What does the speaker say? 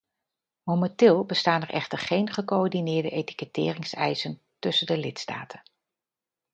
Momenteel bestaan er echter geen gecoördineerde etiketteringseisen tussen de lidstaten.